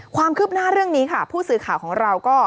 ความคืบหน้าเรื่องนี้ค่ะผู้สื่อข่าวของเราก็